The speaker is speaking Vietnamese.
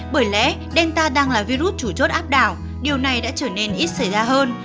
bởi lẽ delta đang là virus chủ chốt áp đảo điều này đã trở nên ít xảy ra hơn